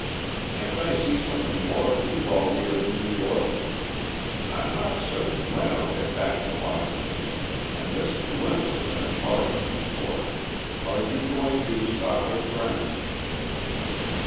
"Can't I see something more of you while we are in New York? I'm not certain when I'll get back to Washington and this glimpse has been far too short. Are you going to stop with friends?"